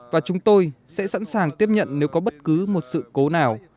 và chúng tôi sẽ sẵn sàng tiếp nhận nếu có bất cứ một sự cố nào